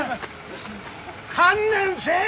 観念せえ！